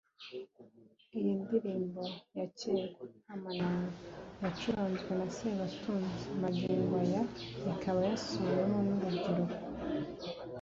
Iyi ni indirimbo ya cyera ‘Kamananga’ yacuranzwe na Sebatunzi magingo aya ikaba yasubiwemo n’uru rubyiruko